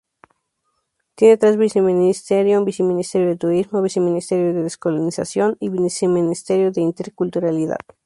Tiene tres viceministerio: Viceministerio de Turismo, Viceministerio de Descolonización y Viceministerio de Interculturalidad.